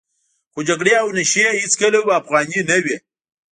خو جګړې او نشې هېڅکله هم افغاني نه وې.